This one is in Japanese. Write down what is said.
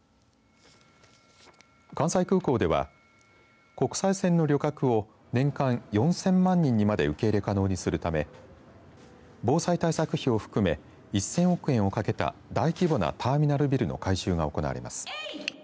関西空港では国際線の旅客を年間４０００万人まで受け入れ可能にするため防災対策費を含め１０００億円をかけた大規模なターミナルビルの改修が行われます。